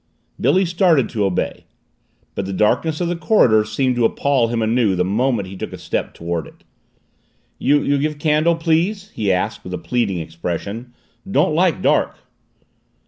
Billy started to obey. But the darkness of the corridor seemed to appall him anew the moment he took a step toward it. "You give candle, please?" he asked with a pleading expression. "Don't like dark."